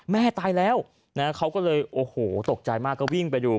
แม่ตายแล้วนะเขาก็เลยโอ้โหตกใจมากก็วิ่งไปดู